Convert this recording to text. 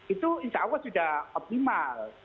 itu insya allah sudah optimal